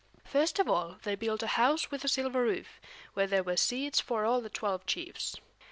First of all they built a house with a silver roof, where there were seats for all the twelve chiefs.